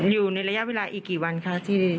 อยู่ในระยะเวลาอีกกี่วันคะที่